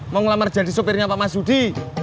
mau ngelamar jadi sopirnya pak masudi